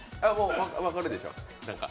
分かるでしょう。